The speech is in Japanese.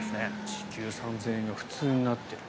時給３０００円が普通になっている。